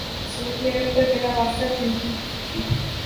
سعودی عرب پر بلا واسطہ تنقید کی تھی